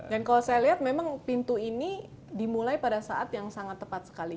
dan kalau saya lihat memang pintu ini dimulai pada saat yang sangat tepat sekali